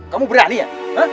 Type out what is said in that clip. kamu berani ya